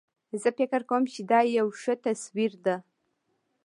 زه فکر کوم چې دا یو ښه تصویر ده